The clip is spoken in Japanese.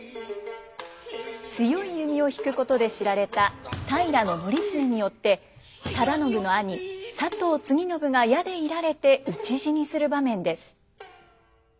強い弓を引くことで知られた平教経によって忠信の兄佐藤継信が矢で射られて討ち死にする場面です。